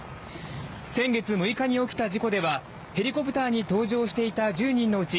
先月６日に起きた事故ではヘリコプターに搭乗していた１０人のうち